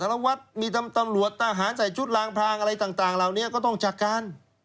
ละวัดมีตำรวจทหารใส่ชุดลางพรางอะไรต่างเหล่านี้ก็ต้องจัดการ